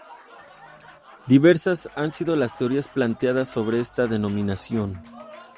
Diversas han sido las teorías planteadas sobre esta denominación.